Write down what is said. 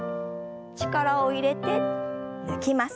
力を入れて抜きます。